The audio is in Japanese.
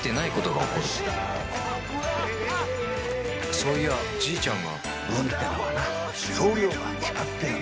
そういやじいちゃんが運ってのはな量が決まってるんだよ。